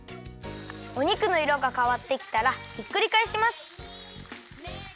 お肉のいろがかわってきたらひっくりかえします。